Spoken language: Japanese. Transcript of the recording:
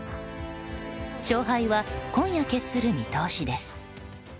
勝敗は今夜決する見通しです。